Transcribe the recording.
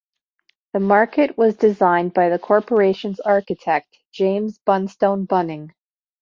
The market was designed by the corporation's architect, James Bunstone Bunning.